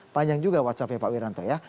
panjang juga whatsappnya pak wiranto ya